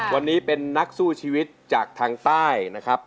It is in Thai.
วันนี้เป็นนักสู้ชีวิตจากทางใต้นะครับ